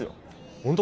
本当？